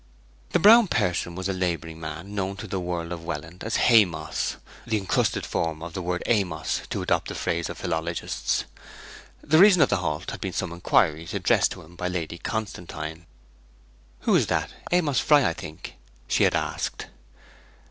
The brown person was a labouring man known to the world of Welland as Haymoss (the encrusted form of the word Amos, to adopt the phrase of philologists). The reason of the halt had been some inquiries addressed to him by Lady Constantine. 'Who is that Amos Fry, I think?' she had asked.